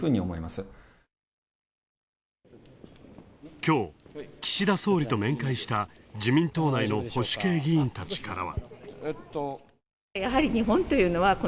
きょう、岸田総理と面会した自民党内の保守系議員たちからは。